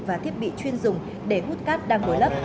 và thiết bị chuyên dùng để hút cát đang bồi lấp